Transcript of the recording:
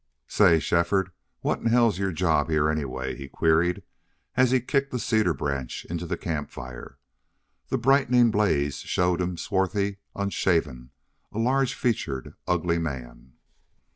"Say, Shefford, what in the hell's your job here, anyway?" he queried as he kicked a cedar branch into the camp fire. The brightening blaze showed him swarthy, unshaven, a large featured, ugly man.